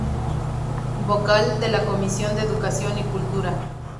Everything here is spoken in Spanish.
Vocal de la Comisión de Educación y Cultura.